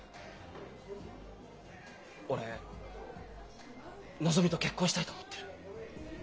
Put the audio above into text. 俺のぞみと結婚したいと思ってる。